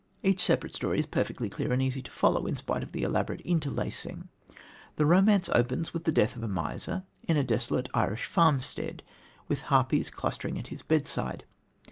Each separate story is perfectly clear and easy to follow, in spite of the elaborate interlacing. The romance opens with the death of a miser in a desolate Irish farmstead, with harpies clustering at his bedside.